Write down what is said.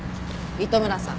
糸村さん